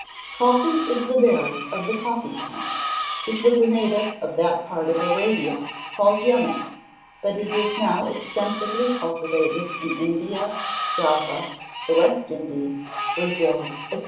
_ Coffee is the berry of the coffee plant, which was a native of that part of Arabia called Yemen, but it is now extensively cultivated in India, Java, the West Indies, Brazil, &c.